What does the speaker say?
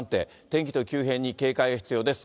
天気の急変に警戒が必要です。